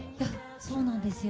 そうなんですよ。